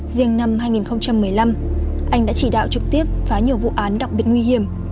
riêng năm hai nghìn một mươi năm anh đã chỉ đạo trực tiếp phá nhiều vụ án đặc biệt nguy hiểm